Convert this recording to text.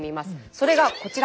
それがこちら。